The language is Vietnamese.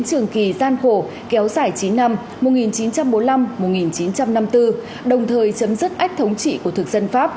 trường kỳ gian khổ kéo dài chín năm một nghìn chín trăm bốn mươi năm một nghìn chín trăm năm mươi bốn đồng thời chấm dứt ách thống trị của thực dân pháp